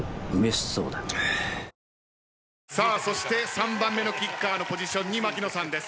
３番目のキッカーのポジションに槙野さんです。